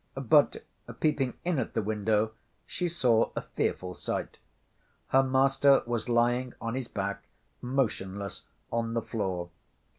But peeping in at the window, she saw a fearful sight. Her master was lying on his back, motionless, on the floor.